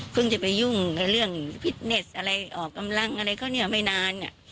จะไปยุ่งเรื่องฟิตเนสอะไรออกกำลังอะไรเขาเนี่ยไม่นาน